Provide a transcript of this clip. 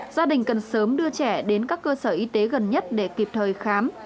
gia đình cần sớm đưa trẻ đến các cơ sở y tế gần nhất để kịp thời khám